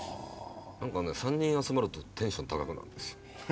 ３人集まるとテンション高くなるんですよ。